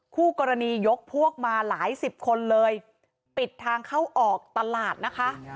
คู่กรณียกพวกมาหลายสิบคนเลยปิดทางเข้าออกตลาดนะคะ